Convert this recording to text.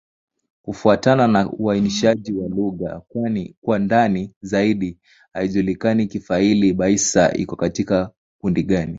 Kufuatana na uainishaji wa lugha kwa ndani zaidi, haijulikani Kifali-Baissa iko katika kundi gani.